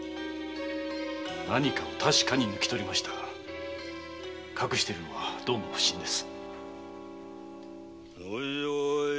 何かを確かに抜き取りましたが隠しているのはどうも不審です。